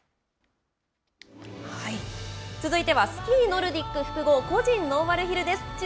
続いては、スキーノルディック複合、個人ノーマルヒルです。